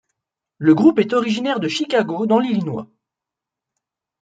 Le groupe est originaire de Chicago dans l'Illinois.